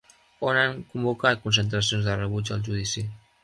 On han convocat concentracions de rebuig al judici?